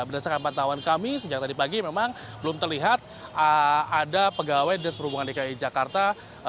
berdasarkan pantauan kami sejak tadi pagi memang belum terlihat ada pegawai dinas perhubungan dki jakarta